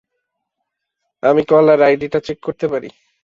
আমি কলার আইডিটা চেক করতে পারি?